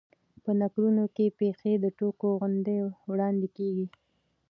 په نکلونو کښي پېښي د ټوګو غوندي وړاندي کېږي.